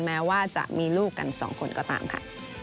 แม้ว่าจะมีลูกกันสองคนก็ตามค่ะ